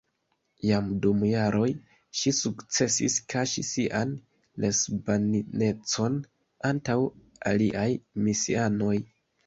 Jam dum jaroj ŝi sukcesis kaŝi sian lesbaninecon antaŭ aliaj misianoj.